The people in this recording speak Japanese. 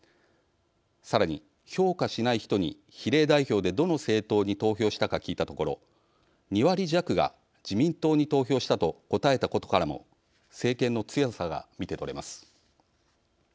さらに評価しない人に比例代表でどの政党に投票したか聞いたところ２割弱が自民党に投票したと答えたことからも政権の強さが見て取れます。